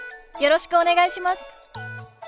よろしくお願いします。